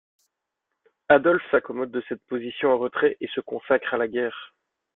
Adolphe s'accommode de cette position en retrait et se consacre à la guerre.